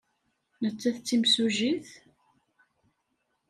Nettat d timsujjit?